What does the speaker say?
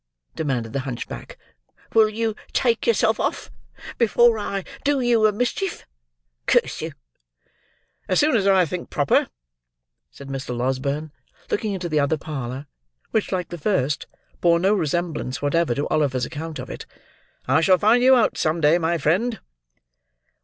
demanded the hunchback. "Will you take yourself off, before I do you a mischief? Curse you!" "As soon as I think proper," said Mr. Losberne, looking into the other parlour; which, like the first, bore no resemblance whatever to Oliver's account of it. "I shall find you out, some day, my friend."